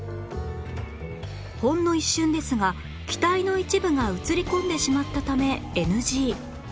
ほんの一瞬ですが機体の一部が映り込んでしまったため ＮＧ